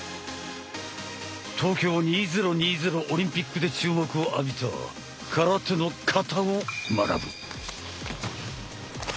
東京２０２０オリンピックで注目を浴びた空手の「形」を学ぶ。